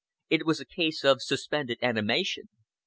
"It was a case of suspended animation.